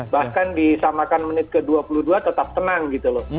bahkan disamakan menit ke dua puluh dua tetap tenang gitu loh